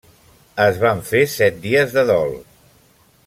Es van fer set dies de dol.